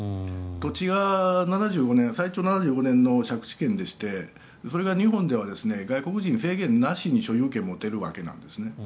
土地が最長７５年の借地権でしてそれが日本では外国人、制限なしに所有権を持てるわけなんですね。